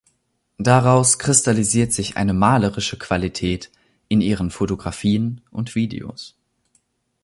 Daraus kristallisiert sich eine malerische Qualität in ihren Fotografien und Videos.